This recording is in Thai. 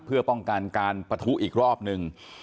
เพื่อป้องกันการปะทุอีกรอบหนึ่ง